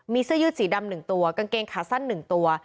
มีเสื้อยืดสีดำ๑ตัวกางเกงขาสั้น๑ตัว